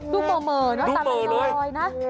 ดูเหม่อตามันจะยังลอยนะ